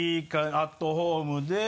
アットホームで。